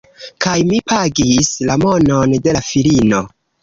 Kaj mi pagis la monon de la filino